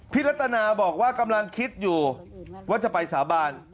รัตนาบอกว่ากำลังคิดอยู่ว่าจะไปสาบาน